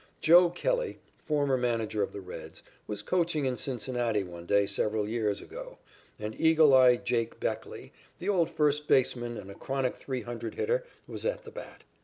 "Joe" Kelley, formerly manager of the Reds, was coaching in Cincinnati one day several years ago, and "Eagle Eye Jake" Beckley, the old first baseman and a chronic three hundred hitter, was at the bat.